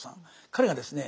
彼がですね